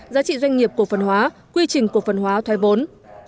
giá trị doanh nghiệp của phần hóa quy trình của phần hóa thoai vốn